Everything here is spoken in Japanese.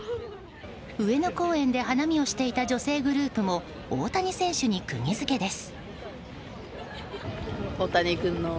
上野公園で花見をしていた女性グループも大谷選手にくぎ付けです。